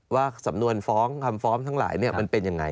ว่าสำนวนฟอร์มคำฟอร์มทั้งหลายมันเป็นอย่างไร